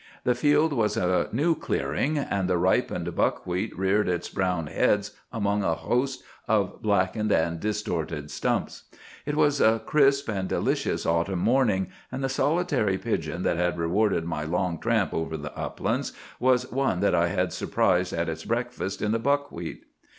The field was a new clearing, and the ripened buckwheat reared its brown heads among a host of blackened and distorted stumps. It was a crisp and delicious autumn morning, and the solitary pigeon that had rewarded my long tramp over the uplands was one that I had surprised at its breakfast in the buckwheat.